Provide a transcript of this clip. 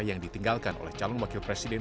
yang ditinggalkan oleh calon wakil presiden